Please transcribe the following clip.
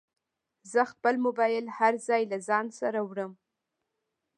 زه خپل موبایل هر ځای له ځانه سره وړم.